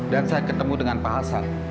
dan saya ketemu dengan pak hasan